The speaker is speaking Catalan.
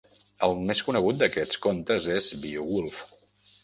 El més conegut d'aquests contes és "Beowulf".